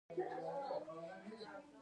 ځيني کسان د لغاتو له پاره فهرست جوړوي.